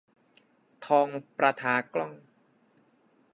ทองประทากล้อง